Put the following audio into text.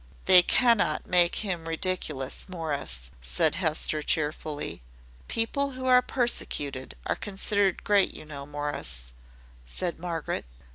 "They cannot make him ridiculous, Morris," said Hester, cheerfully. "People who are persecuted are considered great, you know, Morris," said Margaret.